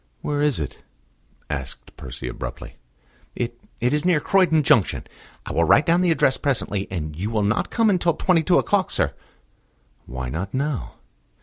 "Where is it?" asked Percy abruptly. "It it is near Croydon junction. I will write down the address presently. And you will not come until twenty two o'clock, sir?" "Why not now?"